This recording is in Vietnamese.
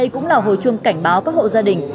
đây cũng là hồi chuông cảnh báo các hộ gia đình